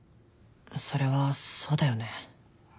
それはそうだよね。